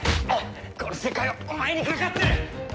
この世界はお前にかかってる！